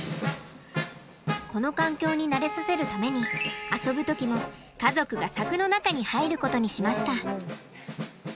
この環境に慣れさせるために遊ぶ時も家族が柵の中に入ることにしました。